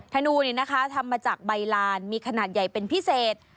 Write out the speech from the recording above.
ธนูเนี่ยนะคะทำมาจากใบลานมีขนาดใหญ่เป็นพิเศษ